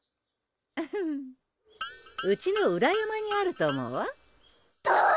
フフッうちの裏山にあると思うわどわぁ⁉